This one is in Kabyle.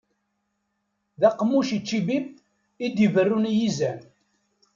D aqemmuc ičibib, i d-iberrun i yizan.